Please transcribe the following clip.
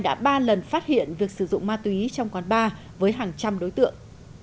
đã ba lần phát hiện việc sử dụng ma túy trong quán bar với hàng trăm đối tượng